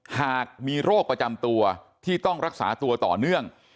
หากมีโรคประจำตัวที่ต้องรักษาตัวต่อเนื่อง